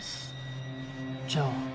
じゃあ。